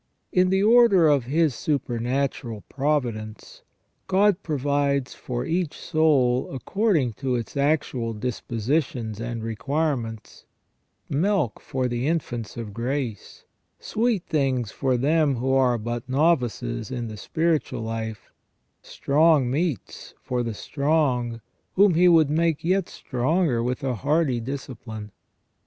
In the order of His supernatural providence God provides for each soul according to its actual dispositions and requirements ; milk for the infants of grace ; sweet AS UNVEILED IN THE BOOK OF JOB. 149 things for them who are but novices in the spiritual life; strong meats for the strong, whom He would make yet stronger with a hardy discipline.